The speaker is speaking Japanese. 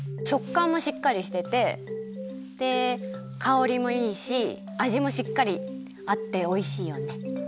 しょっかんもしっかりしててでかおりもいいしあじもしっかりあっておいしいよね！